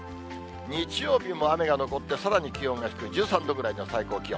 日曜日も雨が残って、さらに気温が低い、１３度ぐらいの最高気温。